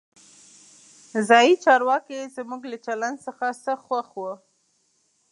ځایي چارواکي زموږ له چلند څخه سخت خوښ وو.